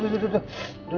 duh kamu jangan